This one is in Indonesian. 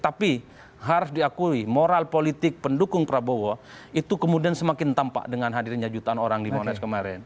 tapi harus diakui moral politik pendukung prabowo itu kemudian semakin tampak dengan hadirnya jutaan orang di monas kemarin